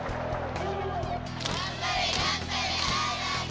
頑張れ頑張れ荒木！